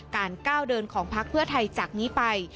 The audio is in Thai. การก้าวเดินของพักเพื่อไทยจากนี้ไป